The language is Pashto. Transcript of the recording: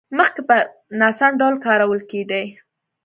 مخکې په ناسم ډول کارول کېدې.